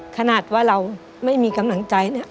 ขนาดว่าเราไม่มีกำหนังใจ